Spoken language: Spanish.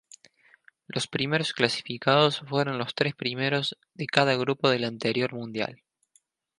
Los primeros clasificados fueron los tres primeros de cada grupo del anterior mundial.